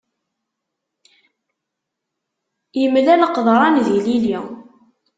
Imlal qeḍṛan d ilili.